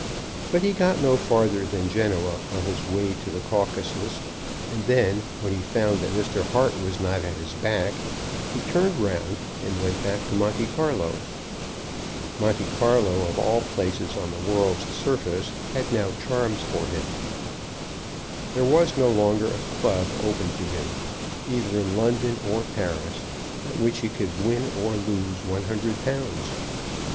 But he got no farther than Genoa on his way to the Caucasus, and then, when he found that Mr. Hart was not at his back, he turned round and went back to Monte Carlo. Monte Carlo, of all places on the world's surface, had now charms for him. There was no longer a club open to him, either in London or Paris, at which he could win or lose one hundred pounds.